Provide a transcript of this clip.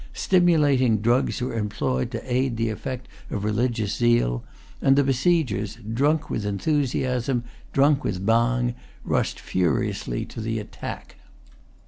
Stimulating drugs were employed to aid the effect of religious zeal, and the besiegers, drunk with enthusiasm, drunk with bang, rushed furiously to the attack.